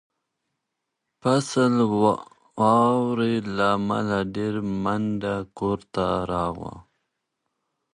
فیصل د واورې له امله ډېر په منډه کور ته راغلی و.